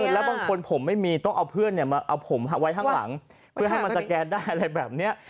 แล้วบางคนผมไม่มีต้องเอาเพื่อนมาเอาผมไว้ข้างหลังเพื่อให้มันสแกนได้อะไรแบบนี้